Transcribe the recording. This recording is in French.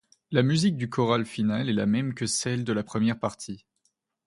La musique du choral final est la même que celle de la première partie.